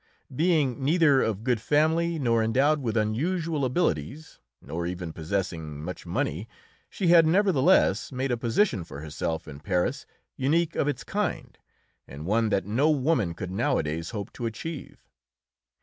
Being neither of good family nor endowed with unusual abilities, nor even possessing much money, she had nevertheless made a position for herself in Paris unique of its kind, and one that no woman could nowadays hope to achieve.